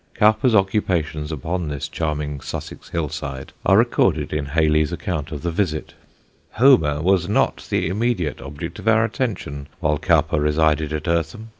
Cowper's occupations upon this charming Sussex hillside are recorded in Hayley's account of the visit: "Homer was not the immediate object of our attention while Cowper resided at Eartham.